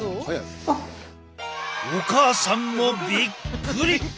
お母さんもびっくり！